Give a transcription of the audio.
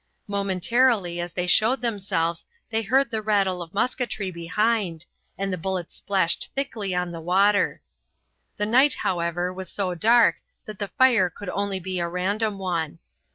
Momentarily as they showed themselves they heard the rattle of musketry behind, and the bullets splashed thickly on the water. The night, however, was so dark that the fire could only be a random one.